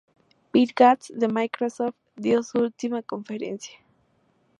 Bill Gates de Microsoft dio su última conferencia.